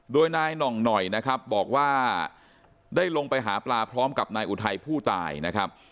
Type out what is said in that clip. โดยนายหน่องหน่อยนะครับบอกว่าได้ลงไปหาปลาพร้อมกับนายอุทัยผู้ตายนะครับ